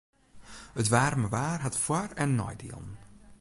It waarme waar hat foar- en neidielen.